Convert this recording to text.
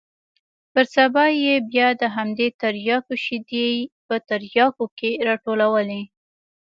پر سبا يې بيا د همدې ترياکو شېدې په ترياكيو کښې راټولولې.